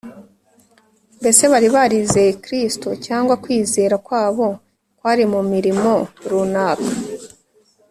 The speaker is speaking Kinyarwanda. Mbese bari barizeye Kristo, cyangwa kwizera kwabo kwari mu mirimo runaka?